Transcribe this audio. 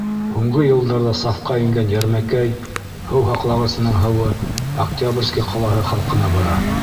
Һуңғы йылдарҙа сафҡа ингән Йәрмәкәй һыу һаҡлағысының һыуы Октябрьский ҡалаһы халҡына бара.